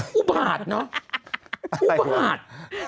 ปลูกหาดเนอะปลูกหาด